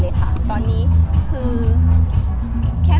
แม็กซ์ก็คือหนักที่สุดในชีวิตเลยจริง